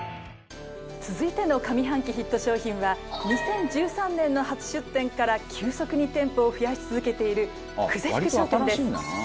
続いての上半期ヒット商品は２０１３年の初出店から急速に店舗を増やし続けている久世福商店です。